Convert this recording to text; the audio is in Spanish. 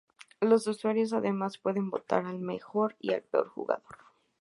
Los usuarios además pueden votar al mejor y al peor jugador.